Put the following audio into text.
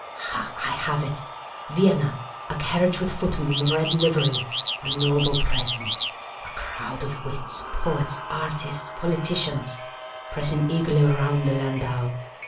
Ha! I have it. Vienna, a carriage with footmen in red livery, a noble presence, a crowd of wits — poets, artists, politicians — pressing eagerly round the landau.'